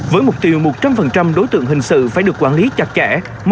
với mục tiêu một trăm linh đối tượng hình sự phải được quản lý chặt chẽ